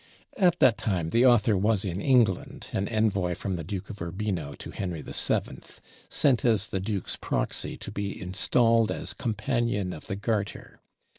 At that time the author was in England, an envoy from the Duke of Urbino to Henry VII., sent as the Duke's proxy to be installed as Companion of the Garter.